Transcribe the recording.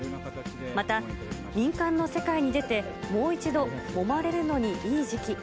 また民間の世界に出て、もう一度もまれるのにいい時期。